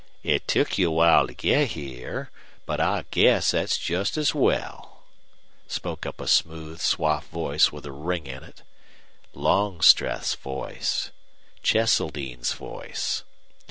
"It took you a long time to get here, but I guess that's just as well," spoke up a smooth, suave voice with a ring in it. Longstreth's voice Cheseldine's voice!